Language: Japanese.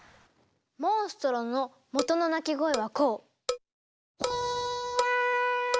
モンストロの元の鳴き声はこう。